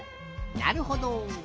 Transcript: なるほど。